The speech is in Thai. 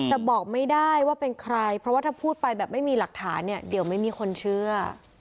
แต่บอกไม่ได้ว่าเป็นใครเพราะว่าถ้าพูดไปแบบไม่มีหลักฐานเนี่ยเดี๋ยวไม่มีคนเชื่อ